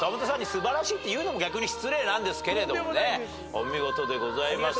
お見事でございました。